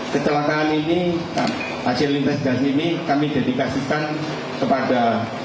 kecelakaan ini hasil investigasi ini kami dedikasikan kepada